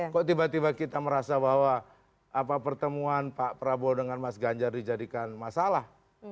kok tiba tiba kita merasa bahwa pertemuan pak prabowo dengan mas ganjar dijadikan masalah